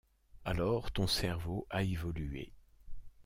Alors ton cerveau a évolué.